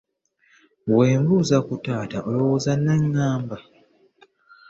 Bwe mbuuza ku taata olowooza anaŋŋamba?